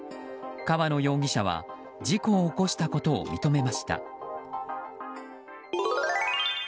川野容疑者は事故を起こしたことを認めました。